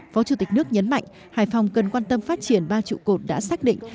phó chủ tịch nước nhấn mạnh hải phòng cần quan tâm phát triển ba trụ cột đã xác định